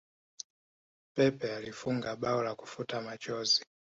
pepe alifunga bao la kufuta machozi